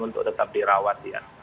untuk tetap dirawat dia